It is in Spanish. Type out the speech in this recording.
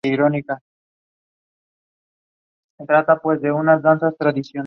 Actualmente ejerce como ministro de la Corte de Apelaciones de Concepción.